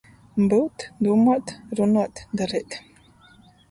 Byut... dūmuot... runuot... dareit...